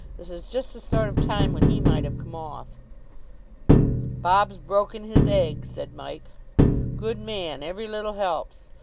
"This is just the sort of time when he might have come off." "Bob's broken his egg," said Mike. "Good man. Every little helps....